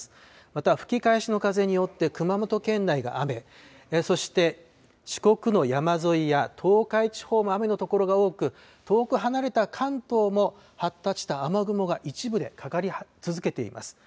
また吹き返しの風によって、熊本県内が雨、そして四国の山沿いや東海地方も雨の所が多く、遠く離れた関東も発達した雨雲が一部でかかり続けています。